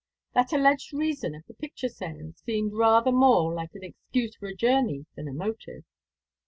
That alleged reason of the picture sale seemed rather more like an excuse for a journey than a motive.